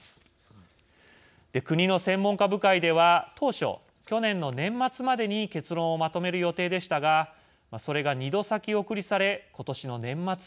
国の専門家部会では当初去年の年末までに結論をまとめる予定でしたがそれが２度先送りされ今年の年末までとなりました。